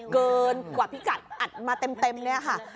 เกินกว่าพิกัดอัดมาเต็มเนี่ยค่ะ